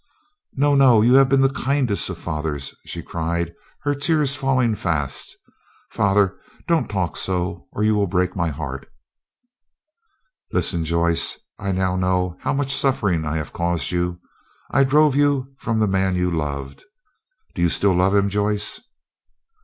"No, no, you have been the kindest of fathers," she cried, her tears falling fast. "Father, don't talk so, or you will break my heart." "Listen, Joyce. I now know how much suffering I have caused you. I drove from you the man you loved. Do you still love him, Joyce?"